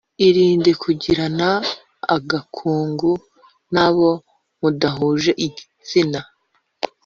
irinde kugirana agakungu n abo mudahuje igitsina